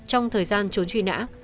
trong thời gian trốn truy nã